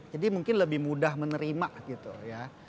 jadi mungkin lebih mudah menerima gitu ya